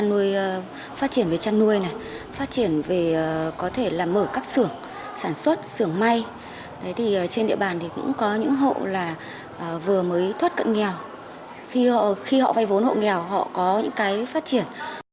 các hộ sử dụng vốn vai rất hiệu quả phát triển về chăn nuôi phát triển về mở các sưởng sản xuất sưởng may trên địa bàn cũng có những hộ vừa mới thoát cận nghèo khi họ vai vốn hộ nghèo họ có những phát triển